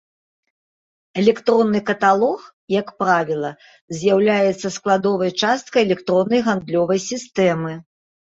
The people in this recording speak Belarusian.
Электронны каталог, як правіла, з'яўляецца складовай часткай электроннай гандлёвай сістэмы.